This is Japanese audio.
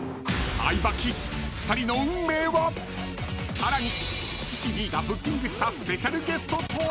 ［さらに］